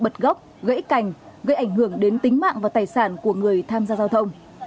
bật gốc gãy cành gây ảnh hưởng đến tính mạng và tài sản của người tham gia giao thông